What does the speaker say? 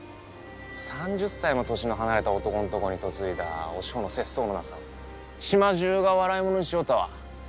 ３０歳も年の離れた男のところに嫁いだお志保の節操のなさを島中が笑いものにしよったわ。